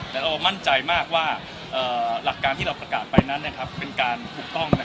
แต่เรามั่นใจมากว่าหลักการที่เราประกาศไปนั้นเป็นการถูกต้อง